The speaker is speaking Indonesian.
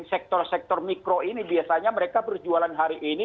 sektor sektor mikro ini biasanya mereka berjualan hari ini